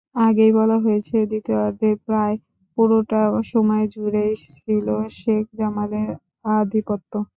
আগেই বলা হয়েছে, দ্বিতীয়ার্ধের প্রায় পুরোটা সময় জুড়েই ছিল শেখ জামালের আধিপত্য।